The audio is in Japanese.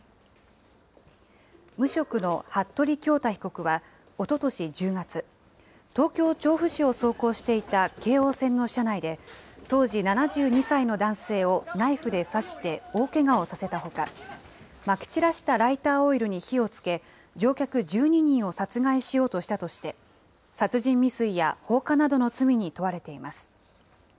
無職の服部恭太被告はおととし１０月、東京・調布市を走行していた京王線の車内で、当時７２歳の男性をナイフで刺して大けがをさせたほか、まき散らしたライターオイルに火をつけ、乗客１２人を殺害しようとしたとして、殺人未遂や放火などの罪に問われています。